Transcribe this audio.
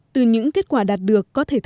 từ những kết quả đạt được